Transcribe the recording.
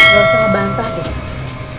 jangan senggak bantah deh